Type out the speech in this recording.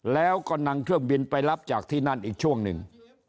แล้วก็นำเครื่องบินไปรับจากที่นั่นอีกช่วงหนึ่ง